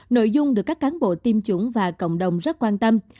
nội dung được các cán bộ tiêm chủng và cộng đồng rất quan tâm